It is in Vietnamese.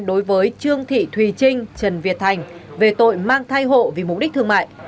đối với trương thị thùy trinh trần việt thành về tội mang thai hộ vì mục đích thương mại